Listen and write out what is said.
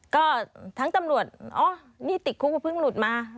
ก็ทั้งตำรวจอ๋อนี่ติดคุกก็เพิ่งหลุดมา